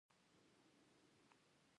د ارزښتونو کټګورۍ